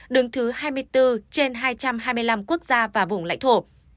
đứng thứ hai mươi bốn trên hai trăm hai mươi năm quốc gia và vùng lãnh thổ